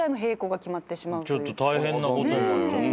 ちょっと大変なことになっちゃって。